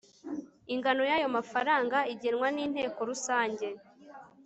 ingano y'ayo mafaranga igenwa n'inteko rusange